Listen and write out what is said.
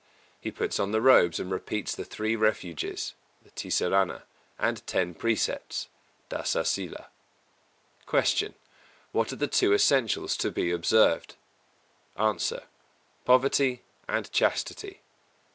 He puts on the robes and repeats the Three Refuges {Tisarana) and Ten Precepts (Dasa Sīla.) 267. Q. What are the two essentials to be observed? A. Poverty and Chastity.